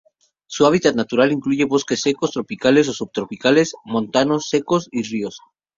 Su hábitat natural incluye bosques secos tropicales o subtropicales, montanos secos y ríos.